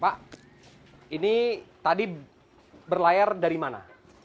pak ini tadi berlayar dari mana